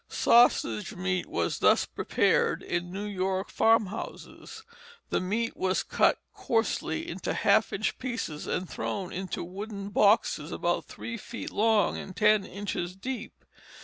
Sausage meat was thus prepared in New York farmhouses. The meat was cut coarsely into half inch pieces and thrown into wooden boxes about three feet long and ten inches deep.